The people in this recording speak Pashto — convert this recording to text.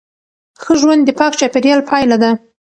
ښه ژوند د پاک چاپیریال پایله ده.